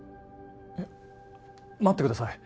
えっ待ってください